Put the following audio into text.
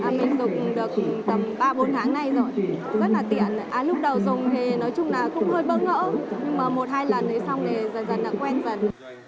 mình được tầm ba bốn tháng nay rồi rất là tiện lúc đầu dùng thì nói chung là cũng hơi bỡ ngỡ nhưng mà một hai lần xong thì dần dần quen dần